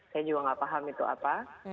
saya juga nggak paham itu apa